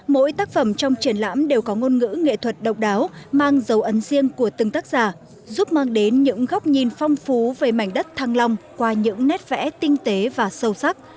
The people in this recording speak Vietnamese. mỗi tác phẩm trong triển lãm đều có ngôn ngữ nghệ thuật độc đáo mang dấu ấn riêng của từng tác giả giúp mang đến những góc nhìn phong phú về mảnh đất thăng long qua những nét vẽ tinh tế và sâu sắc